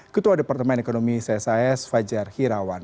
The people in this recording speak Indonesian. ketua departemen ekonomi csis fajar hirawan